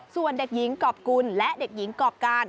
ส่วนเด็กหญิงกรอบกุลและเด็กหญิงกรอบการ